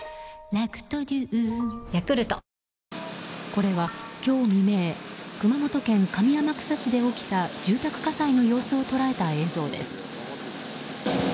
これは今日未明熊本県上天草市で起きた住宅火災の様子を捉えた映像です。